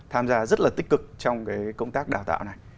tham gia rất là tích cực trong cái công tác đào tạo này